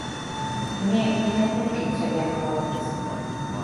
Не ненавіджу цябе, хлопец.